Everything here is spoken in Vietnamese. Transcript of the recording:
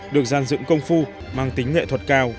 được gian dựng công phu mang tính nghệ thuật cao